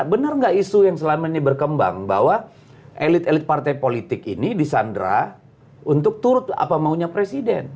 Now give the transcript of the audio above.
benar nggak isu yang selama ini berkembang bahwa elit elit partai politik ini disandera untuk turut apa maunya presiden